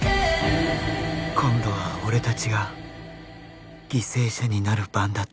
今度は俺達が犠牲者になる番だった